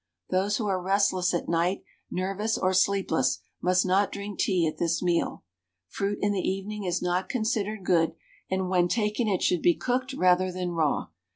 Those who are restless at night, nervous, or sleepless must not drink tea at this meal. Fruit in the evening is not considered good, and when taken it should be cooked rather than raw.